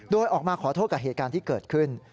โดยออกมาขอโทษกับเหตุการณ์ที่เกิดขึ้น